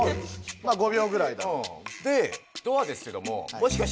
まあ５秒ぐらいだと。